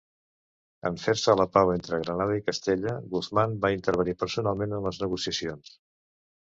En fer-se la pau entre Granada i Castella, Guzmán va intervenir personalment en les negociacions.